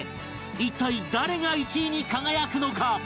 一体誰が１位に輝くのか？